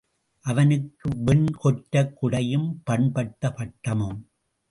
அவனுக்கு வெண் கொற்றக் குடையும், பண்பட்ட பட்டமும்.